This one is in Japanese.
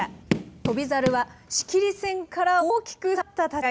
翔猿は仕切り線から大きく下がった立ち合い。